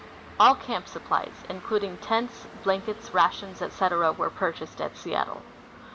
All camp supplies, including tents, blankets, rations, etc., were purchased at Seattle.